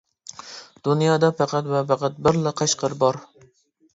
دۇنيادا پەقەت ۋە پەقەت بىرلا قەشقەر بار.